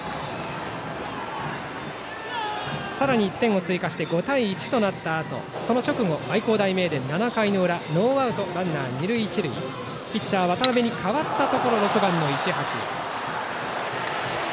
さらに１点追加して５対１となったあとその直後、愛工大名電、７回の裏ノーアウトランナー、二塁一塁ピッチャー渡部に代わったところ６番、市橋。